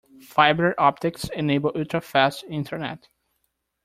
Fibre optics enable ultra-fast internet.